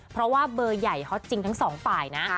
เพราะว่าเบอร์ใหญ่ฮอตจริงทั้งสองฝ่ายนะ